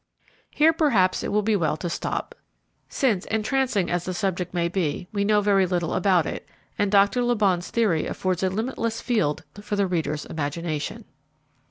Here, perhaps, it will be well to stop, since, entrancing as the subject may be, we know very little about it, and Doctor Le Bon's theory affords a limitless field for the reader's imagination.